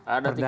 ada tiga ribu